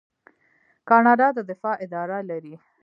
کاناډا د دفاع اداره لري.